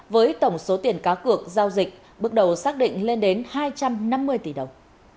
với tổng số tiền cá cược giao dịch bước đầu xác định lên đến hai trăm năm mươi tỷ đồng